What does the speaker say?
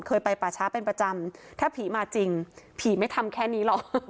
ไปป่าช้าเป็นประจำถ้าผีมาจริงผีไม่ทำแค่นี้หรอก